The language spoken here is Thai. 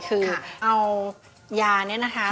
คือเอายาเนี่ยนะคะ